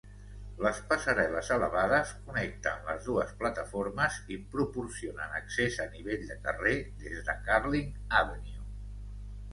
Les passarel·les elevades connecten les dues plataformes i proporcionen accés a nivell de carrer des de Carling Avenue.